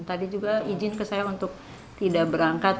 tadi juga izin ke saya untuk tidak berangkat